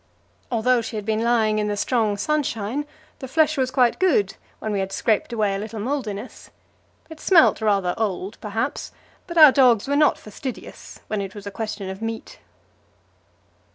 Although she had been lying in the strong sunshine, the flesh was quite good, when we had scraped away a little mouldiness. It smelt rather old, perhaps, but our dogs were not fastidious when it was a question of meat.